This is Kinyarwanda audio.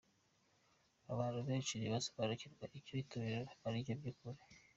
Abantu benshi ntibasobanukirwa icyo itorero ari cyo by’ukuri.